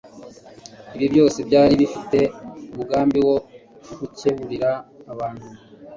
Ibi byose byari bifite umugambi wo gukeburira abantu